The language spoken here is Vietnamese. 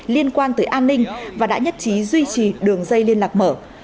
liên quan tới an ninh và đã nhất trí duy trì đường dây liên lạc mở